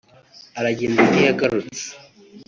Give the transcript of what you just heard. aragenda ntiyagarutse